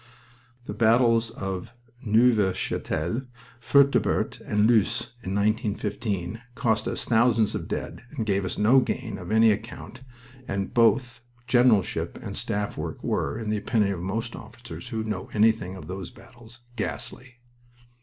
The battles of Neuve Chapelle, Fertubert, and Loos, in 1915, cost us thousands of dead and gave us no gain of any account; and both generalship and staff work were, in the opinion of most officers who know anything of those battles, ghastly.